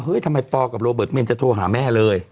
เฮ้ยทำไมปอร์กับโรเบิร์ตไม่เห็นจะโทรหาแม่เลย